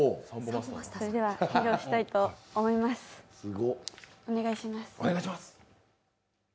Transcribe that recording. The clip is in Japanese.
それでは、披露したいと思います。